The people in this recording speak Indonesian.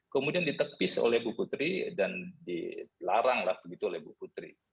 kemudian ditepis oleh ibu putri dan dilaranglah begitu oleh ibu putri